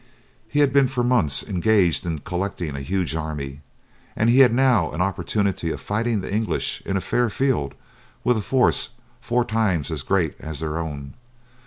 He had been for months engaged in collecting a huge army, and he had now an opportunity of fighting the English in a fair field with a force four times as great as their own.